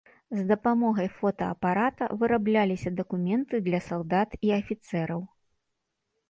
З дапамогай фотаапарата вырабляліся дакументы для салдат і афіцэраў.